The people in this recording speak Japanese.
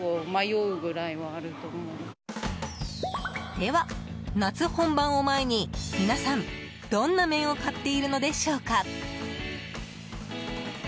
では、夏本番を前に皆さん、どんな麺を買っているのでしょうか。